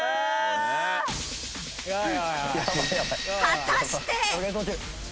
果たして。